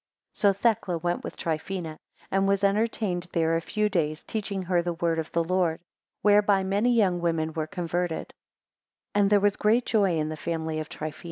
24 So Thecla went with Trifina, and was entertained there a few days, teaching her the word of the Lord, whereby many young women were converted; and there was great joy in the family of Trifina.